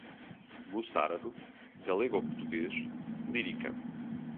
moçarábe, galego-português, lírica